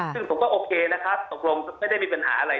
ซึ่งผมก็โอเคนะครับตกลงไม่ได้มีปัญหาอะไร